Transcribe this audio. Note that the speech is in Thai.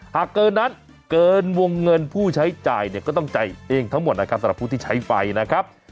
หากเกินนั้นเกินวงเงินผู้ใช้จ่ายเนี่ยก็ต้องจ่ายเองทั้งหมดนะครับสำหรับผู้ที่ใช้ไฟนะครับ